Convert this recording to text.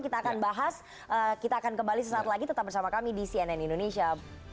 kita akan bahas kita akan kembali sesaat lagi tetap bersama kami di cnn indonesia